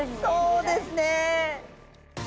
そうですね！